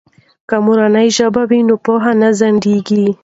که مورنۍ ژبه وي نو پوهه نه ځنډیږي.